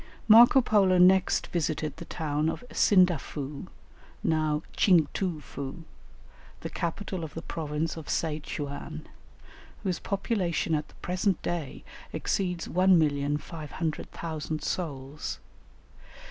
Marco Polo next visited the town of Sindafou (now Tching too foo), the capital of the province of Se tchu an, whose population at the present day exceeds 1,500,000 souls.